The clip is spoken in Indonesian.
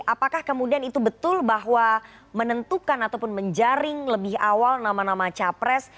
apakah kemudian itu betul bahwa menentukan ataupun menjaring lebih awal nama nama capres